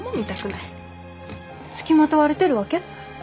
付きまとわれてるわけ？